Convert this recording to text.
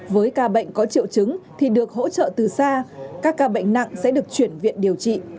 với ca bệnh có triệu chứng thì được hỗ trợ từ xa các ca bệnh nặng sẽ được chuyển viện điều trị